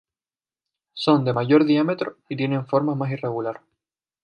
Son de mayor diámetro y tienen forma más irregular.